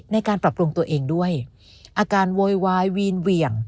ในการปรับปรุงตัวเองด้วยอาการโวยวายวีนเหวี่ยง